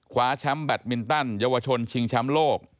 คว้าแชมป์แบตมินตันเยาวชนชิงแชมป์โลก